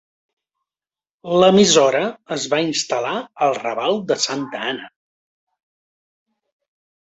L'emissora es va instal·lar al Raval de Santa Anna.